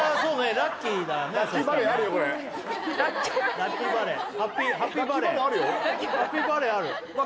ラッキーバレエあるよ。